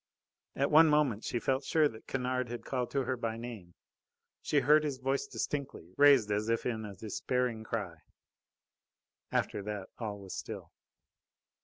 At one moment she felt sure that Kennard had called to her by name. She heard his voice distinctly, raised as if in a despairing cry. After that, all was still.